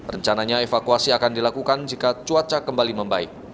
rencananya evakuasi akan dilakukan jika cuaca kembali membaik